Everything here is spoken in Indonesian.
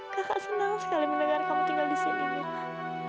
kakak senang sekali mendengar kamu tinggal di sini